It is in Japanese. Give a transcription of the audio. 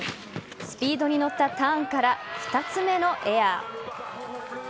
スピードに乗ったターンから２つ目のエア。